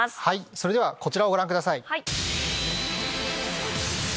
それではこちらをご覧ください。